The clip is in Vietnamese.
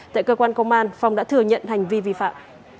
tại cơ quan công an phong đã thừa nhận hành vi vi phạm